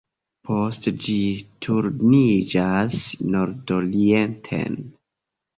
Poste ĝi turniĝas nordorienten.